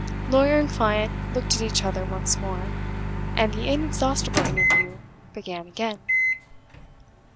Lawyer and client looked at each other once more, and the inexhaustible interview began again.